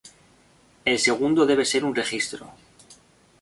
El segundo debe ser un registro.